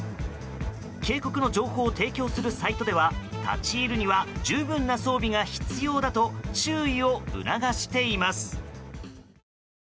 渓谷の情報を提供するサイトでは立ち入るには十分な装備が必要だと注意を促しています。